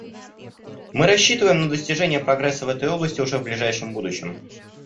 Мы рассчитываем на достижение прогресса в этой области уже в ближайшем будущем.